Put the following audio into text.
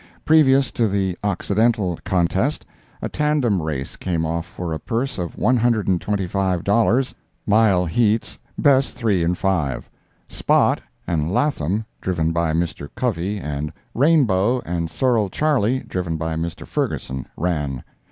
Previous to the Occidental contest, a tandem race came off for a purse of one hundred and twenty five dollars, mile heats, best 3 in 5. "Spot" and "Latham," driven by Mr. Covey, and "Rainbow" and "Sorrell Charley," driven by Mr. Ferguson, ran.